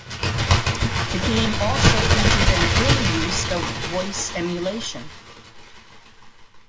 The game also featured an early use of voice emulation.